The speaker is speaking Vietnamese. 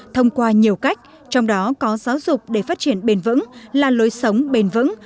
thông qua nhiều cách trong đó có giáo dục để phát triển bền vững là lối sống bền vững